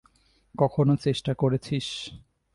কখনো চেষ্টা করেছিস?